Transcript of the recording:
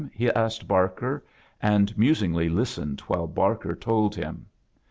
he asked Barker, and mosingly listened while Barker told blm.